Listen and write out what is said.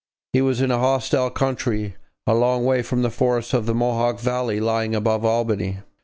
He was in a hostile country, a long way from the forests of the Mohawk valley lying above Albany.